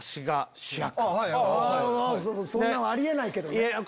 そんなのあり得ないけどね。